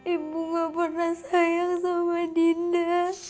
ibu gak pernah sayang sama dinda